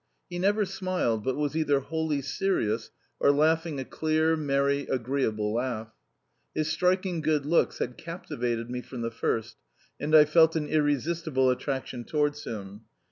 He never smiled but was either wholly serious or laughing a clear, merry, agreeable laugh. His striking good looks had captivated me from the first, and I felt an irresistible attraction towards him.